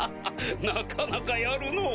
なかなかやるのぅ！